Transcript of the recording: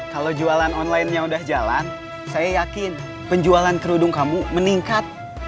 kalau jualan onlinenya udah jalan saya yakin penjualan kerudung kamu meningkat